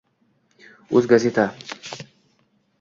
uz, Gazeta